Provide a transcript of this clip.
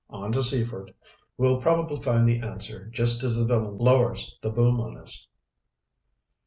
"On to Seaford. We'll probably find the answer just as the villain lowers the boom on us."